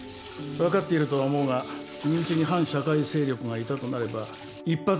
わかっているとは思うが身内に反社会勢力がいたとなれば一発アウトだ。